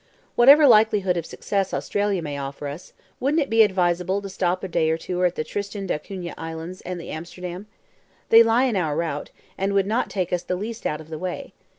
"Whatever likelihood of success Australia may offer us, wouldn't it be advisable to stop a day or two at the Tristan d'Acunha Isles and the Amsterdam? They lie in our route, and would not take us the least out of the way.